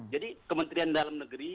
jadi kementerian dalam negeri